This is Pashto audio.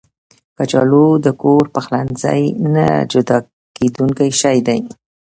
کچالو د کور پخلنځي نه جدا کېدونکی شی دی